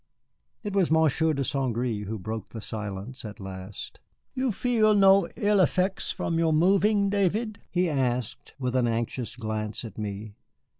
It was Monsieur de St. Gré who broke the silence at last. "You feel no ill effects from your moving, David?" he asked, with an anxious glance at me.